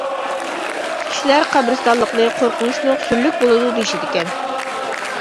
كىشىلەر قەبرىستانلىقىنى قورقۇنچلۇق، سۈرلۈك بولىدۇ، دېيىشىدىكەن.